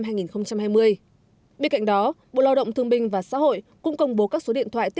bên cạnh đó bộ lao động thương binh và xã hội cũng công bố các số điện thoại